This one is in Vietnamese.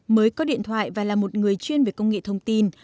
mới có điện thoại và là một người chuyên về công nghệ e sim